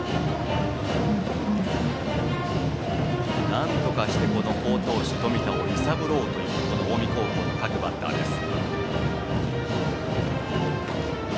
なんとかして好投手冨田を揺さぶろうという近江高校の各バッターです。